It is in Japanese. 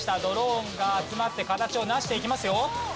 ドローンが集まって形を成していきますよ。